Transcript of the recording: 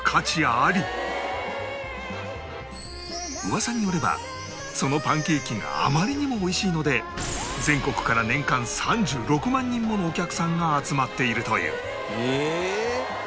噂によればそのパンケーキがあまりにも美味しいので全国から年間３６万人ものお客さんが集まっているという